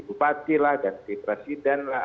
bupati lah ganti presiden lah